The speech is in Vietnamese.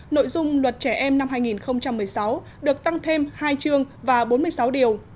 nội dung luật trẻ em năm hai nghìn một mươi sáu được tăng thêm hai chương và bốn mươi sáu điều